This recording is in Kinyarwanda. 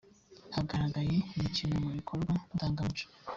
hagaragaye imikino mu bikorwa ndangamuco